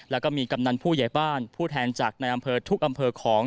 แล้วก็มีกำนันผู้ใหญ่บ้านผู้แทนจากในอำเภอทุกอำเภอของ